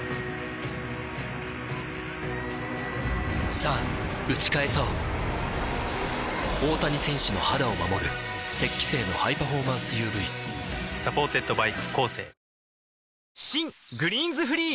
さぁ打ち返そう大谷選手の肌を守る「雪肌精」のハイパフォーマンス ＵＶサポーテッドバイコーセー新「グリーンズフリー」